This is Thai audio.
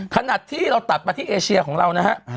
ขนาดที่เราตัดมาที่เอเชียของเรานะฮะ